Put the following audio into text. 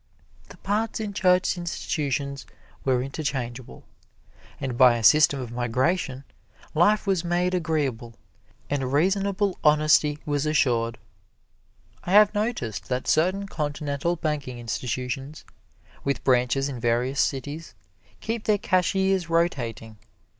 The parts in church institutions were interchangeable; and by a system of migration, life was made agreeable, and reasonable honesty was assured. I have noticed that certain Continental banking institutions, with branches in various cities, keep their cashiers rotating.